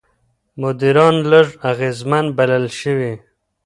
مدیران لږ اغېزمن بلل شوي.